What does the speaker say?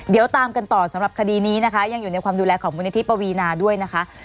เดี๋ยวตามกันต่อสำหรับคดีนี้นะคะยังอยู่ในความดูแลของมูลนิธิปวีนาด้วยนะคะ